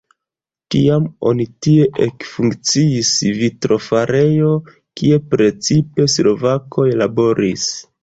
Tiam oni tie ekfunkciis vitrofarejo, kie precipe slovakoj laboris.